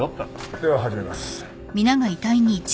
では始めます。